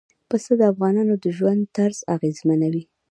پسه د افغانانو د ژوند طرز اغېزمنوي.